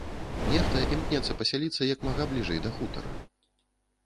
Нехта імкнецца пасяліцца як мага бліжэй да хутара.